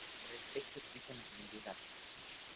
Al respecto existen los siguientes datos.